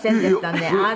あなた。